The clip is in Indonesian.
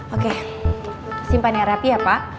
oke simpan yang rapi ya pak